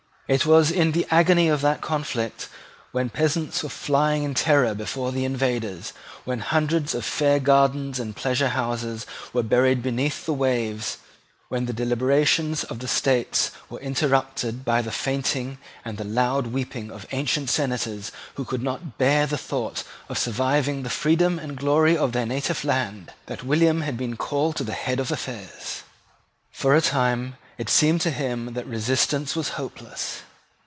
It was in the agony of that conflict, when peasants were flying in terror before the invaders, when hundreds of fair gardens and pleasure houses were buried beneath the waves, when the deliberations of the States were interrupted by the fainting and the loud weeping of ancient senators who could not bear the thought of surviving the freedom and glory of their native land, that William had been called to the head of affairs. For a time it seemed to him that resistance was hopeless.